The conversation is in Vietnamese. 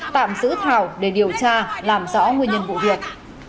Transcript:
tạm giữ thảo để điều tra làm rõ nguyên nhân vụ việc